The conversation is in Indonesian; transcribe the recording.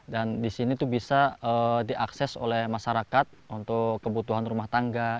dan di sini itu bisa diakses oleh masyarakat untuk kebutuhan rumah tangga